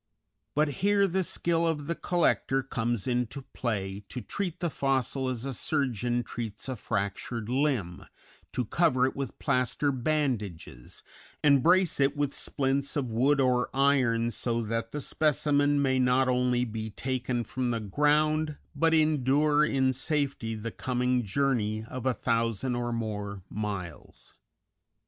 But here the skill of the collector comes into play to treat the fossil as a surgeon treats a fractured limb, to cover it with plaster bandages, and brace it with splints of wood or iron so that the specimen may not only be taken from the ground but endure in safety the coming journey of a thousand or more miles.